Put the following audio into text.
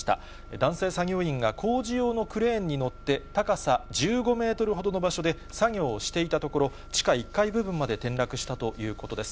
男性作業員が工事用のクレーンに乗って、高さ１５メートルほどの場所で作業をしていたところ、地下１階部分まで転落したということです。